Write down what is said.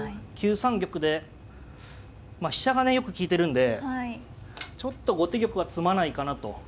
９三玉で飛車がねよく利いてるんでちょっと後手玉は詰まないかなと。